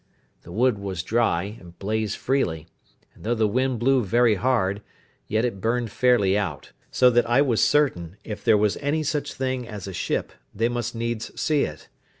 The wood was dry, and blazed freely; and, though the wind blew very hard, yet it burned fairly out; so that I was certain, if there was any such thing as a ship, they must needs see it.